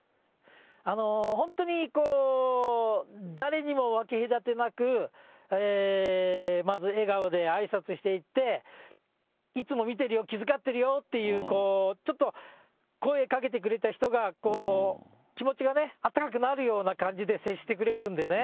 本当にこう、誰にも分け隔てなく、まず笑顔であいさつしていって、いつも見てるよ、気遣ってるよっていう、ちょっと声かけてくれた人が、気持ちがね、あったかくなるような感じで接してくれるんでね。